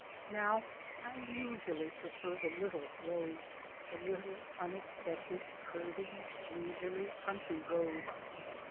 Now, I usually prefer the little roads, the little, unexpected, curving, leisurely country roads.